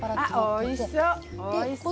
おいしそう！